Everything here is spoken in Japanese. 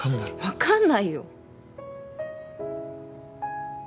わかんないよ。